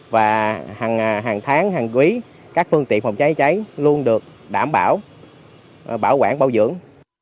và hàng tháng hàng quý các phương tiện phòng cháy cháy luôn được đảm bảo bảo quản bảo dưỡng